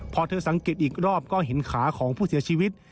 พอเธอสังเกตอีกรอบก็เห็นขาของผู้เสียชีวิต